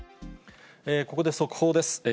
ここで速報です。